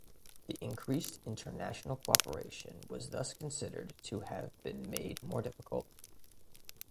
The increased international cooperation was thus considered to have been made more difficult.